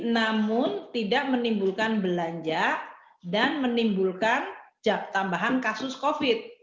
namun tidak menimbulkan belanja dan menimbulkan tambahan kasus covid